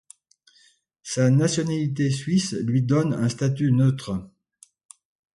Sa nationalité suisse lui donne un statut neutre.